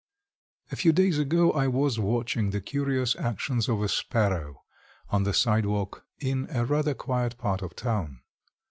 A few days ago I was watching the curious actions of a sparrow on the sidewalk in a rather quiet part of town.